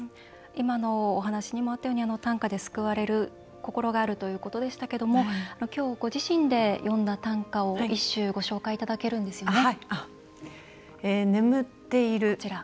今のお話しにもあったように短歌で救われる心があるということでしたけどもきょう、ご自身で詠んだ短歌を一首ご紹介いただけるんですよね。